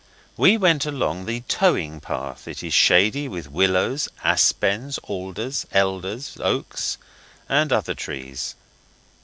We went along the towing path; it is shady with willows, aspens, alders, elders, oaks and other trees.